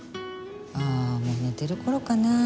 ああもう寝てる頃かな。